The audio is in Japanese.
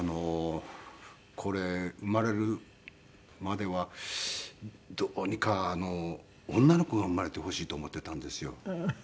これ生まれるまではどうにか女の子が生まれてほしいと思っていたんですよ。